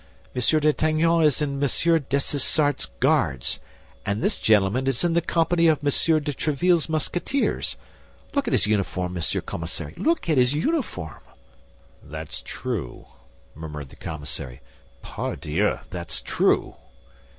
Monsieur d'Artagnan is in Monsieur Dessessart's Guards, and this gentleman is in the company of Monsieur de Tréville's Musketeers. Look at his uniform, Monsieur Commissary, look at his uniform!" "That's true," murmured the commissary; "pardieu, that's true."